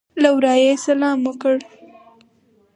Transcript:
له ورایه یې سلام وکړ.